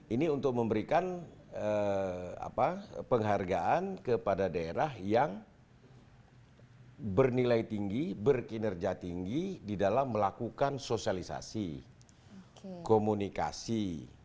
ini untuk memberikan penghargaan kepada daerah yang bernilai tinggi berkinerja tinggi di dalam melakukan sosialisasi komunikasi